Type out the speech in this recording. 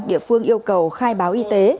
địa phương yêu cầu khai báo y tế